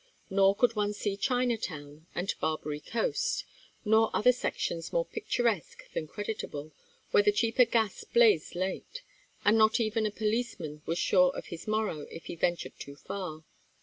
Nor could one see Chinatown and Barbary coast, nor other sections more picturesque than creditable, where the cheaper gas blazed late, and not even a policeman was sure of his morrow if he ventured too far.